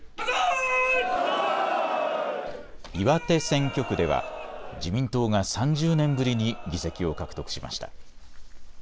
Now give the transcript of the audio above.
岩手選挙区では自民党が３０年ぶりに議席を獲得しました。